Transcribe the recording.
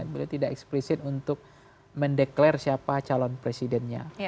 beliau tidak eksplisit untuk mendeklarasi siapa calon presidennya